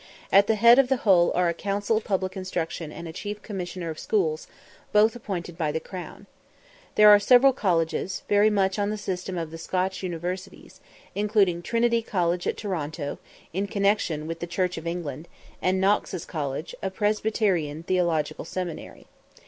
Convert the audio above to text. At the head of the whole are a Council of Public Instruction and a Chief Commissioner of Schools, both appointed by the Crown. There are several colleges, very much on the system of the Scotch Universities, including Trinity College at Toronto, in connection with the Church of England, and Knox's College, a Presbyterian theological seminary.